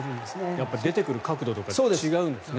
やっぱり出てくる角度とか違うんですね。